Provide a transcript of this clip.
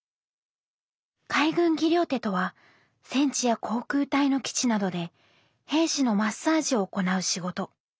海軍技療手とは戦地や航空隊の基地などで兵士のマッサージを行う仕事。